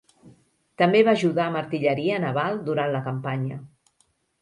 També va ajudar amb artilleria naval durant la campanya.